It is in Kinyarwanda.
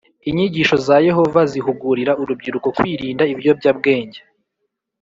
inyigisho za Yehova zihugurira urubyiruko kwirinda ibiyobyabwenge